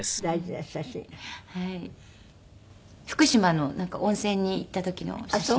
福島の温泉に行った時の写真です。